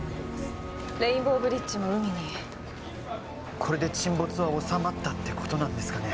レインボーブリッジも海にこれで沈没は収まったってことなんですかね